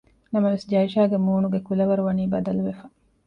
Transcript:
ނަމަވެސް ޖައިޝާގެ މޫނުގެ ކުލަވަރު ވަނީ ބަދަލުވެފަ